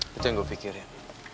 itu yang gue pikirin